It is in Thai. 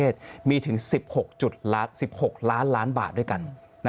สิ่งที่ประชาชนอยากจะฟัง